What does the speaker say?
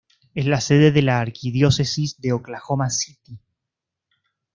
Es la sede de la Arquidiócesis de Oklahoma City.